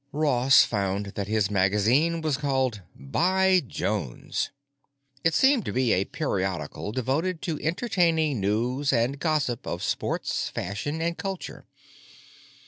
Ross found that his magazine was called By Jones; it seemed to be a periodical devoted to entertaining news and gossip of sports, fashion, and culture.